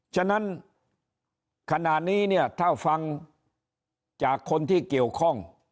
ฉะนั้นขณะนี้เนี่ยถ้าฟังจากคนที่เกี่ยวข้อง